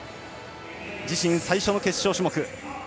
自身最初の決勝種目。